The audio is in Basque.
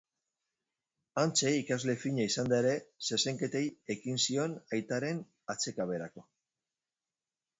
Hantxe ikasle fina izanda ere, zezenketei ekin zion aitaren atsekaberako.